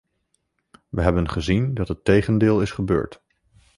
We hebben gezien dat het tegendeel is gebeurd.